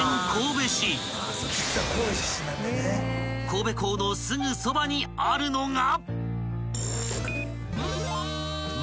［神戸港のすぐそばにあるのが］